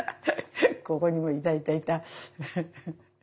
ここにもいたいたいた。